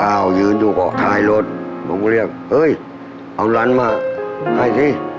ก้าวยืนอยู่ก่อนถ่ายรถผมเรียกเฮ้ยเอาร้านมาให้สิ